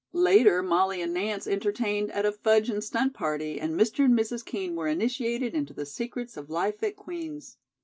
Later Molly and Nance entertained at a fudge and stunt party and Mr. and Mrs. Kean were initiated into the secrets of life at Queen's.